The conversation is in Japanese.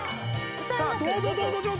さあどうぞどうぞ状態。